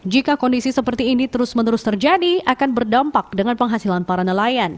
jika kondisi seperti ini terus menerus terjadi akan berdampak dengan penghasilan para nelayan